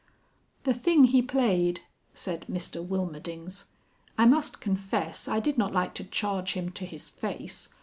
"The thing he played," said Mr Wilmerdings," I must confess I did not like to charge him to his face.